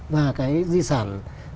và cái di sản